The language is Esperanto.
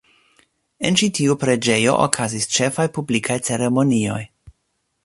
En ĉi tiu preĝejo okazis ĉefaj publikaj ceremonioj.